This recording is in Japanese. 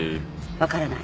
分からない？